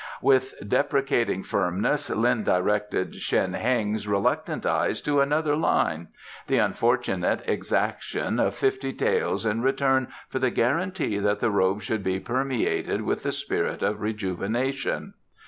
With deprecating firmness Lin directed Shen Heng's reluctant eyes to another line the unfortunate exaction of fifty taels in return for the guarantee that the robe should be permeated with the spirit of rejuvenation.